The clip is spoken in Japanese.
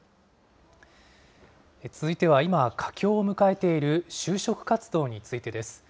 続いては今、佳境を迎えている就職活動についてです。